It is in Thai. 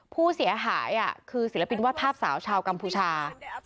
ผู้เสียหายคือศิลปินวาดภาพสาวชาวกัมพูชา